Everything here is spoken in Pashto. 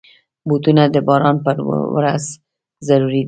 بوټونه د باران پر ورځ ضروري دي.